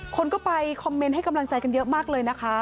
คนก็ไปคอมเมนต์ให้กำลังใจกันเยอะมากเลยนะคะ